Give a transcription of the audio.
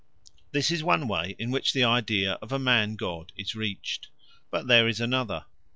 This is one way in which the idea of a man god is reached. But there is another.